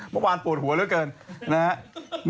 เมื่อวานปวดหัวเรื่อยเกินนะครับ